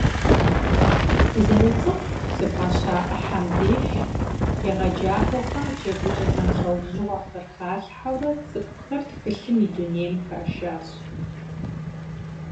«Дызэроцӏыху» зыфӏаща ӏыхьэм деж егъэджакӏуэхэм джэгукӏэ зэмылӏэужьыгъуэхэр халъхьэурэ цӏыкӏухэр тхылъым и дунейм хашащ.